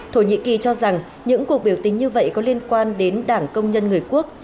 thổ nhĩ kỳ cho rằng những cuộc biểu tình như vậy có liên quan đến đảng công nhân người quốc